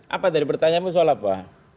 apa tadi pertanyaanmu soal apa